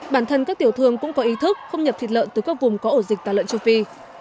bản thân các tiểu thương cũng có ý thức không nhập thịt lợn từ các vùng có ổ dịch tà lợn châu phi